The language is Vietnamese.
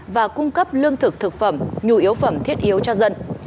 và cung cấp lương thực thực phẩm nhu yếu phẩm thiết yếu cho dân